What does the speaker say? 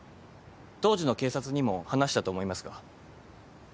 当時の警察にも話したと思いますが。